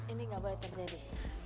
ini gak boleh terjadi